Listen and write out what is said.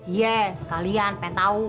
iya sekalian pengen tau